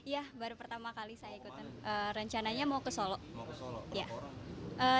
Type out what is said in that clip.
ya baru pertama kali saya ikut rencananya mau ke solo